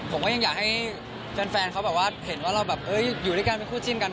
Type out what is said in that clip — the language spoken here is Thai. ผมก็ยังอยากให้แฟนเขาแบบว่าเห็นว่าเราแบบอยู่ด้วยกันเป็นคู่จิ้นกัน